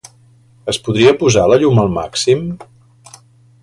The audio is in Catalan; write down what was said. Es podria posar la llum al màxim?